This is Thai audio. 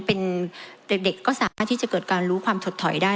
เป็นเด็กก็สามารถที่จะเกิดการรู้ความถดถอยได้